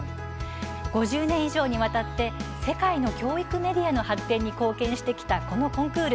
５０年以上にわたって世界の教育メディアの発展に貢献してきた、このコンクール。